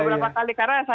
ini dia ya